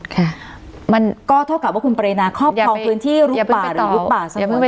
ค่ะมันก็เท่ากับว่าคุณปรินาครอบครองพื้นที่ลุกป่าต้องลุกป่าใช่ไหม